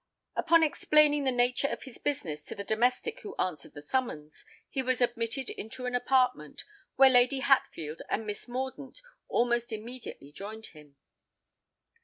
Upon explaining the nature of his business to the domestic who answered the summons, he was admitted into an apartment where Lady Hatfield and Miss Mordaunt almost immediately joined him.